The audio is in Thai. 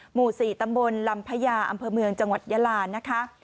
หมู่๔ตำบลลำพญาอำเภอเมืองจังหวัดยาลานะคะ